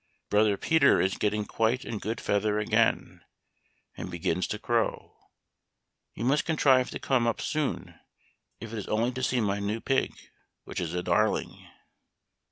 Brother Peter is getting quite in good feather again, and begins' to crow ! You must contrive to come up soon if it is only to see my new pig, which is a darling."